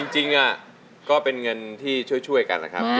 จริงก็เป็นเงินที่ช่วยกันนะครับ